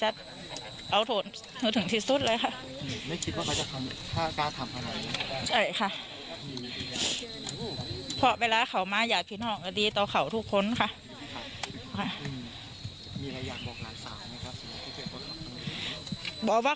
บอกว่าเขาพ้นทุกข์แล้วค่ะ